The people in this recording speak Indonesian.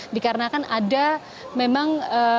dikarenakan ada memang